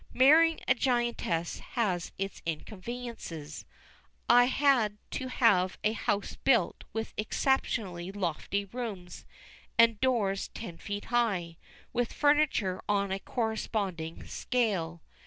Marrying a giantess has its inconveniences. I had to have a house built with exceptionally lofty rooms and doors ten feet high, with furniture on a corresponding scale.